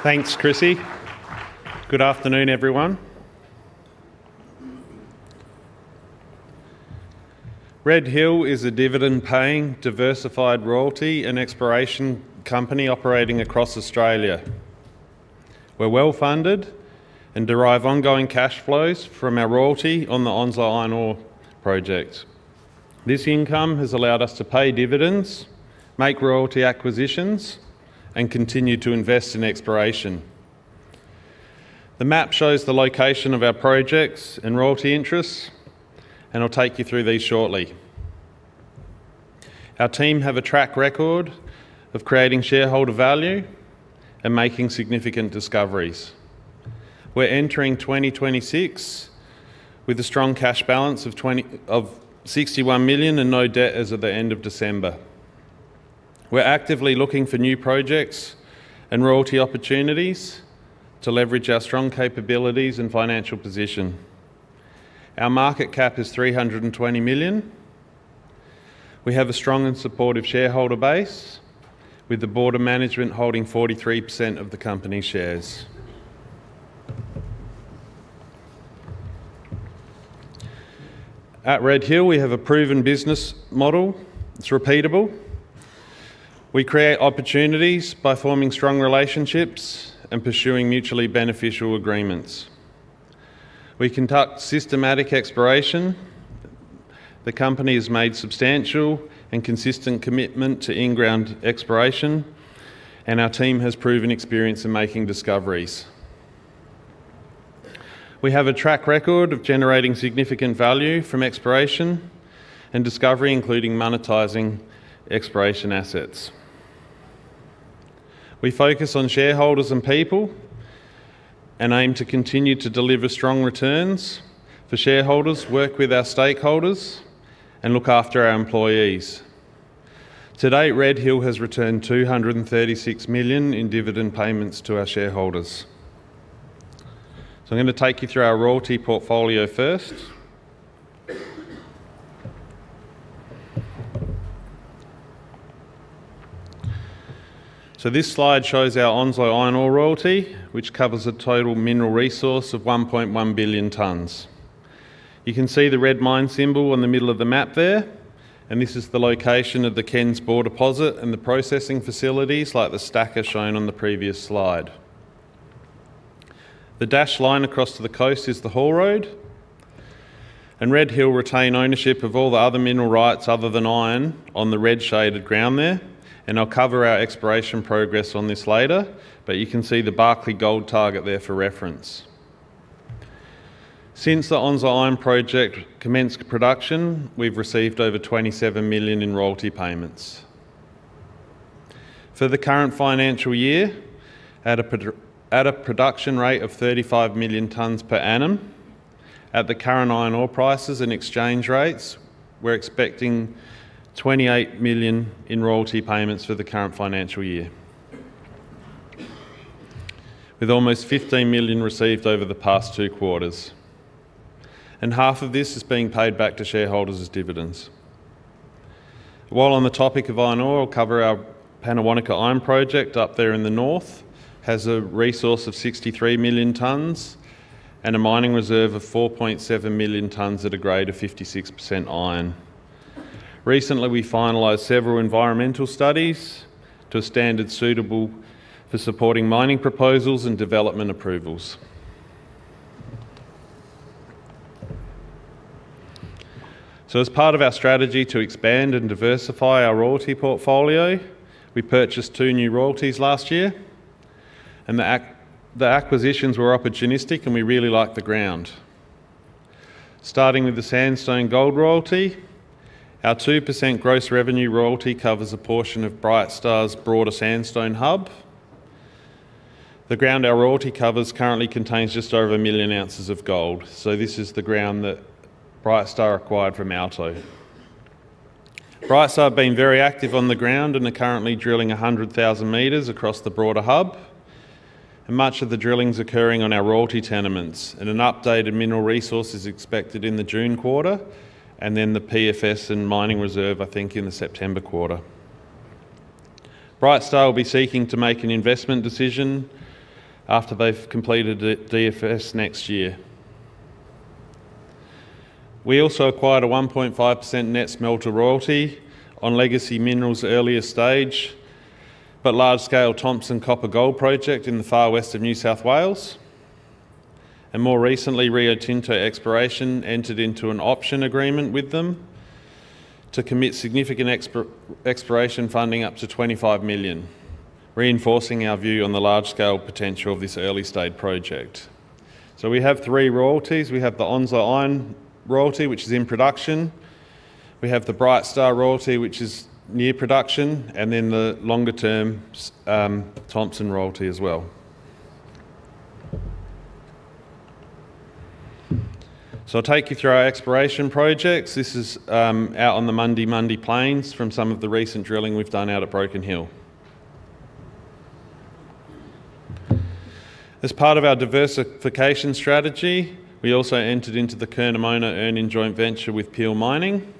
Thanks, Chrissy. Good afternoon, everyone. Red Hill is a dividend-paying, diversified royalty and exploration company operating across Australia. We're well-funded and derive ongoing cash flows from our royalty on the Onslow Iron Ore Project. This income has allowed us to pay dividends, make royalty acquisitions, and continue to invest in exploration. The map shows the location of our projects and royalty interests, and I'll take you through these shortly. Our team have a track record of creating shareholder value and making significant discoveries. We're entering 2026 with a strong cash balance of 61 million and no debt as of the end of December. We're actively looking for new projects and royalty opportunities to leverage our strong capabilities and financial position. Our market cap is 320 million. We have a strong and supportive shareholder base, with the Board and Management holding 43% of the company's shares. At Red Hill, we have a proven business model. It's repeatable. We create opportunities by forming strong relationships and pursuing mutually beneficial agreements. We conduct systematic exploration. The company has made substantial and consistent commitment to in-ground exploration, and our team has proven experience in making discoveries. We have a track record of generating significant value from exploration and discovery, including monetizing exploration assets. We focus on shareholders and people, and aim to continue to deliver strong returns for shareholders, work with our stakeholders, and look after our employees. To date, Red Hill has returned 236 million in dividend payments to our shareholders. So I'm gonna take you through our royalty portfolio first. So this slide shows our Onslow Iron Ore royalty, which covers a total mineral resource of 1.1 billion tons. You can see the red mine symbol in the middle of the map there, and this is the location of the Ken's Bore deposit and the processing facilities, like the stacker shown on the previous slide. The dashed line across to the coast is the Haul Road, and Red Hill retain ownership of all the other mineral rights other than iron on the red-shaded ground there, and I'll cover our exploration progress on this later, but you can see the Barkley gold target there for reference. Since the Onslow Iron Project commenced production, we've received over 27 million in royalty payments. For the current financial year, at a production rate of 35 million tons per annum, at the current iron ore prices and exchange rates, we're expecting 28 million in royalty payments for the current financial year, with almost 15 million received over the past two quarters, and half of this is being paid back to shareholders as dividends. While on the topic of iron ore, I'll cover our Pannawonica Iron Project up there in the north, has a resource of 63 million tons and a mining reserve of 4.7 million tons at a grade of 56% iron. Recently, we finalized several environmental studies to a standard suitable for supporting mining proposals and development approvals. So as part of our strategy to expand and diversify our royalty portfolio, we purchased two new royalties last year, and the acquisitions were opportunistic, and we really like the ground. Starting with the Sandstone Gold Royalty, our 2% gross revenue royalty covers a portion of Brightstar's broader Sandstone hub. The ground our royalty covers currently contains just over 1 million ounces of gold, so this is the ground that Brightstar acquired from Alto. Brightstar have been very active on the ground and are currently drilling 100,000 m across the broader hub, and much of the drilling's occurring on our royalty tenements. An updated mineral resource is expected in the June quarter, and then the PFS and mining reserve, I think, in the September quarter. Brightstar will be seeking to make an investment decision after they've completed the DFS next year. We also acquired a 1.5% net smelter royalty on Legacy Minerals' earlier stage, but large-scale Thomson Copper-Gold Project in the far west of New South Wales. More recently, Rio Tinto Exploration entered into an option agreement with them to commit significant exploration funding up to 25 million, reinforcing our view on the large-scale potential of this early-stage project. We have three royalties. We have the Onslow Iron Royalty, which is in production. We have the Brightstar royalty, which is near production, and then the longer-term Thomson Royalty as well. I'll take you through our exploration projects. This is out on the Mundi Mundi Plains from some of the recent drilling we've done out at Broken Hill. As part of our diversification strategy, we also entered into the Curnamona Earn-In Joint Venture with Peel Mining.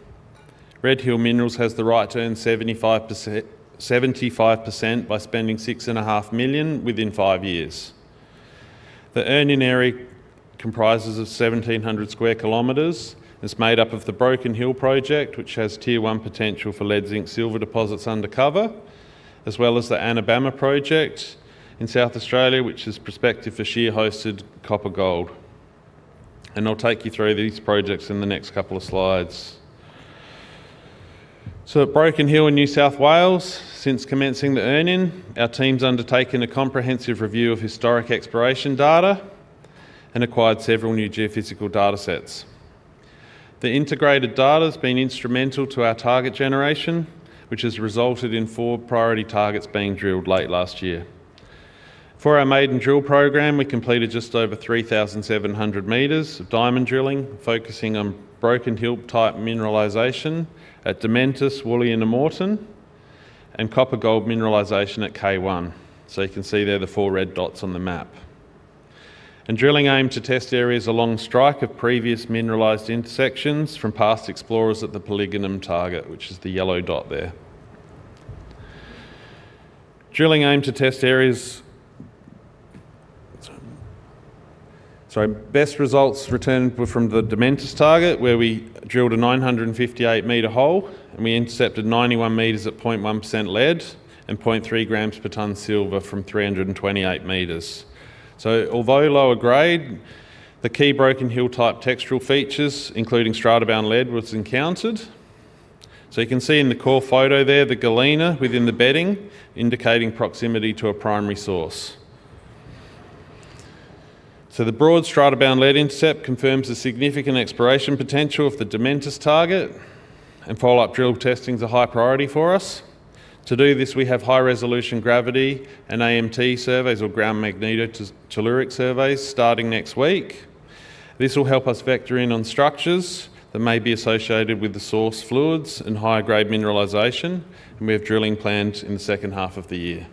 Red Hill Minerals has the right to earn 75%, 75% by spending 6.5 million within five years. The earn-in area comprises of 1,700 sq km. It's made up of the Broken Hill Project, which has tier one potential for lead, zinc, silver deposits undercover, as well as the Anabama Project in South Australia, which is prospective for shear-hosted copper-gold. I'll take you through these projects in the next couple of slides. At Broken Hill in New South Wales, since commencing the earn-in, our team's undertaken a comprehensive review of historic exploration data and acquired several new geophysical datasets. The integrated data has been instrumental to our target generation, which has resulted in four priority targets being drilled late last year. For our maiden drill program, we completed just over 3,700 m of diamond drilling, focusing on Broken Hill-type mineralization at Dementus, Woolley, and Immortan, and copper-gold mineralization at K1. So you can see there the four red dots on the map. And drilling aimed to test areas along strike of previous mineralized intersections from past explorers at the Polygonum target, which is the yellow dot there. Sorry, best results returned were from the Dementus target, where we drilled a 958 m hole, and we intercepted 91 m at 0.1% lead and 0.3 g per ton silver from 328 m. So although lower grade, the key Broken Hill-type textural features, including stratabound lead, was encountered. So you can see in the core photo there, the galena within the bedding, indicating proximity to a primary source. So the broad stratabound lead intercept confirms the significant exploration potential of the Dementus target, and follow-up drill testing is a high priority for us. To do this, we have high-resolution gravity and AMT surveys, or ground magnetotelluric surveys, starting next week. This will help us vector in on structures that may be associated with the source fluids and higher-grade mineralization, and we have drilling planned in the second half of the year.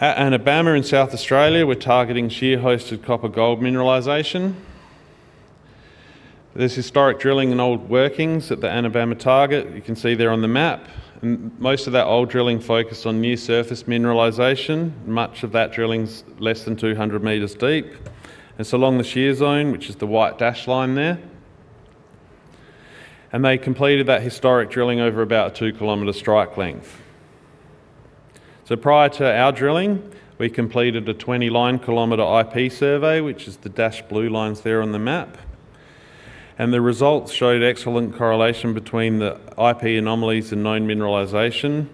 At Anabama in South Australia, we're targeting shear-hosted copper-gold mineralization. There's historic drilling and old workings at the Anabama target, you can see there on the map, and most of that old drilling focused on near-surface mineralization. Much of that drilling's less than 200 m deep. It's along the shear zone, which is the white dashed line there, and they completed that historic drilling over about a 2 km strike length. So prior to our drilling, we completed a 20-line km IP survey, which is the dashed blue lines there on the map, and the results showed excellent correlation between the IP anomalies and known mineralization,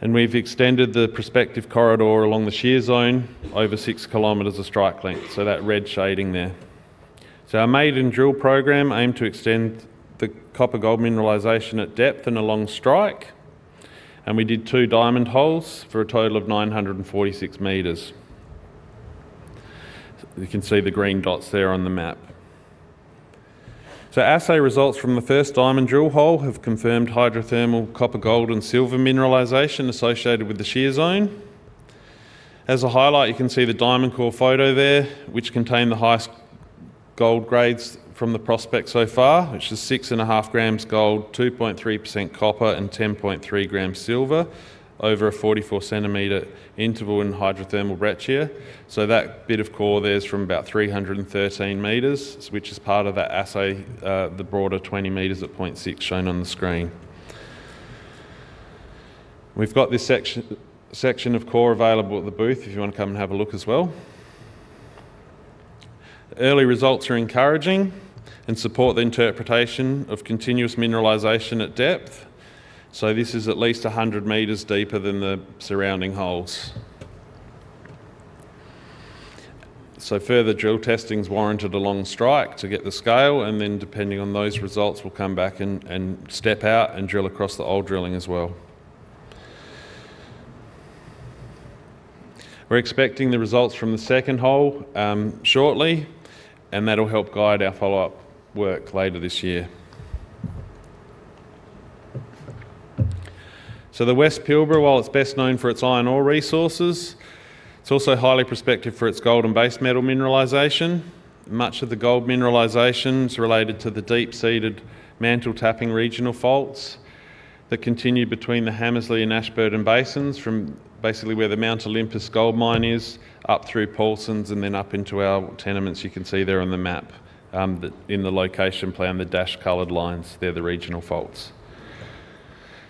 and we've extended the prospective corridor along the shear zone over 6 km of strike length, so that red shading there. So our maiden drill program aimed to extend the copper-gold mineralization at depth and along strike, and we did two diamond holes for a total of 946 m You can see the green dots there on the map. So assay results from the first diamond drill hole have confirmed hydrothermal copper, gold, and silver mineralization associated with the shear zone. As a highlight, you can see the diamond core photo there, which contained the highest gold grades from the prospect so far, which is 6.5 g gold, 2.3% copper, and 10.3 g silver over a 44 cm interval in hydrothermal breccia. So that bit of core there is from about 313 m, which is part of that assay, the broader 20 m at 0.6 shown on the screen. We've got this section of core available at the booth if you want to come and have a look as well. Early results are encouraging and support the interpretation of continuous mineralization at depth, so this is at least 100 m deeper than the surrounding holes. So further drill testing is warranted along strike to get the scale, and then, depending on those results, we'll come back and step out and drill across the old drilling as well. We're expecting the results from the second hole shortly, and that'll help guide our follow-up work later this year. So the West Pilbara, while it's best known for its iron ore resources, it's also highly prospective for its gold and base metal mineralization. Much of the gold mineralization is related to the deep-seated mantle-tapping regional faults that continue between the Hamersley and Ashburton Basins, from basically where the Mount Olympus gold mine is, up through Paulsens, and then up into our tenements. You can see there on the map. In the location plan, the dashed colored lines, they're the regional faults.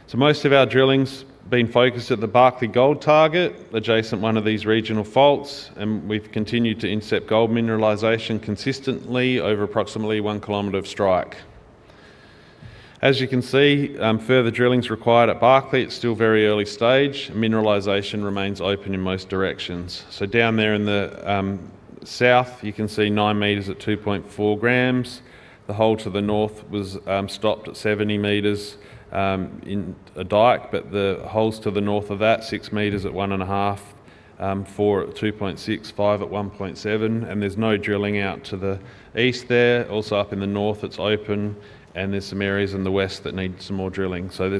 So most of our drilling's been focused at the Barkley gold target, adjacent to one of these regional faults, and we've continued to intercept gold mineralization consistently over approximately 1 km of strike. As you can see, further drilling's required at Barkley. It's still very early stage. Mineralization remains open in most directions. So down there in the south, you can see 9 m at 2.4 g. The hole to the north was stopped at 70 m in a dike, but the holes to the north of that, 6 m at 1.5 g, 4 m at 2.6 g, 5 m at 1.7 g, and there's no drilling out to the east there. Also, up in the north, it's open, and there's some areas in the west that need some more drilling. So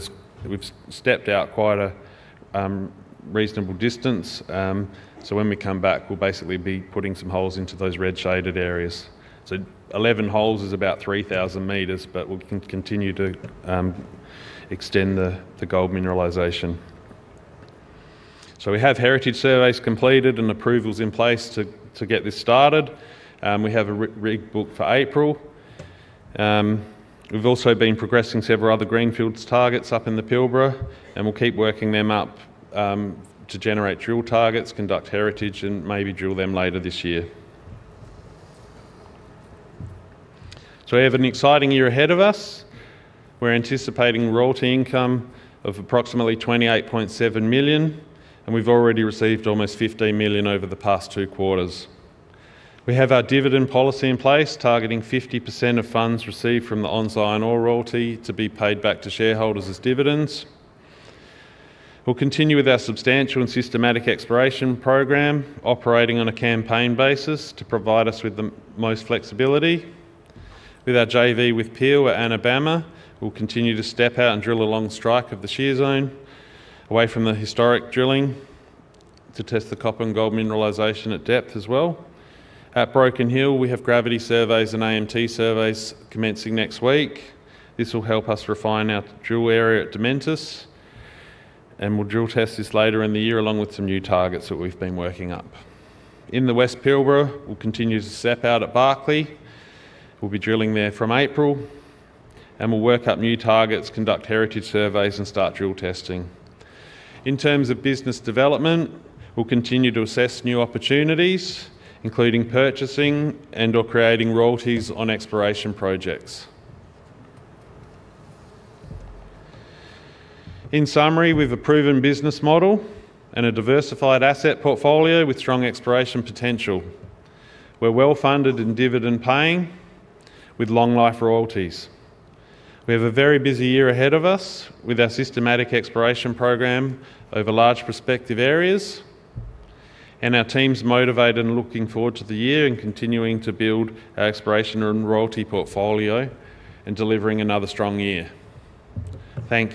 we've stepped out quite a reasonable distance. So when we come back, we'll basically be putting some holes into those red shaded areas. So 11 holes is about 3,000 m, but we'll continue to extend the gold mineralization. So we have heritage surveys completed and approvals in place to get this started. We have a rig booked for April. We've also been progressing several other greenfields targets up in the Pilbara, and we'll keep working them up to generate drill targets, conduct heritage, and maybe drill them later this year. So we have an exciting year ahead of us. We're anticipating royalty income of approximately 28.7 million, and we've already received almost 15 million over the past two quarters. We have our dividend policy in place, targeting 50% of funds received from the Onslow Iron ore royalty to be paid back to shareholders as dividends. We'll continue with our substantial and systematic exploration program, operating on a campaign basis to provide us with the most flexibility. With our JV with Peel at Anabama, we'll continue to step out and drill along strike of the shear zone away from the historic drilling to test the copper and gold mineralization at depth as well. At Broken Hill, we have gravity surveys and AMT surveys commencing next week. This will help us refine our drill area at Dementus, and we'll drill test this later in the year, along with some new targets that we've been working up. In the West Pilbara, we'll continue to step out at Barkley. We'll be drilling there from April, and we'll work up new targets, conduct heritage surveys, and start drill testing. In terms of business development, we'll continue to assess new opportunities, including purchasing and/or creating royalties on exploration projects. In summary, we've a proven business model and a diversified asset portfolio with strong exploration potential. We're well-funded and dividend-paying with long-life royalties. We have a very busy year ahead of us with our systematic exploration program over large prospective areas, and our team's motivated and looking forward to the year and continuing to build our exploration and royalty portfolio and delivering another strong year. Thank you!